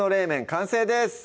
完成です